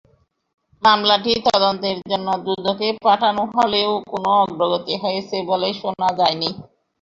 মামলাটি তদন্তের জন্য দুদকে পাঠানো হলেও কোনো অগ্রগতি হয়েছে বলে শোনা যায়নি।